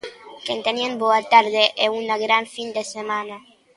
Que teñan boa tarde e unha gran fin de semana.